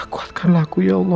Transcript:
kuatkanlah aku ya allah